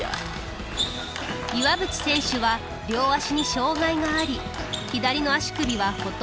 岩渕選手は両足に障害があり左の足首はほとんど動かせない。